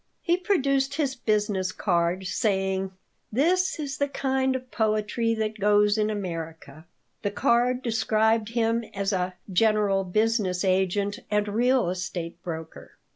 He produced his business card, saying, "This is the kind of poetry that goes in America." The card described him as a "general business agent and real estate broker."